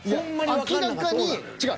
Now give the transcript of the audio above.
明らかに違う。